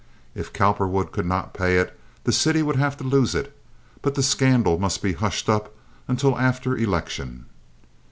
If Cowperwood could not pay it, the city would have to lose it; but the scandal must be hushed up until after election.